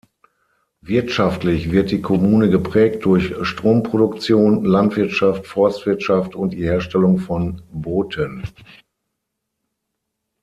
Wirtschaftlich wird die Kommune geprägt durch Stromproduktion, Landwirtschaft, Forstwirtschaft und die Herstellung von Booten.